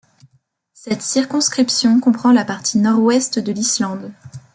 Cette circonscription comprend la partie nord-ouest de l'Islande.